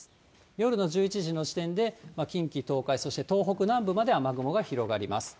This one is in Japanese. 夜の１１時の時点で、近畿、東海、そして東北南部まで雨雲が広がります。